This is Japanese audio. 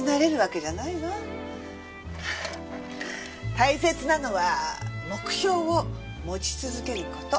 大切なのは目標を持ち続ける事。